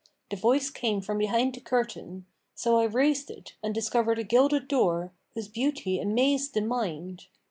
The voice came from behind the curtain: so I raised it and discovered a gilded door, whose beauty amazed the mind.